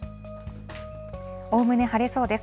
おおむね晴れそうです。